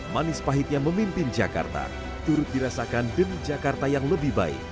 manis pahitnya memimpin jakarta turut dirasakan demi jakarta yang lebih baik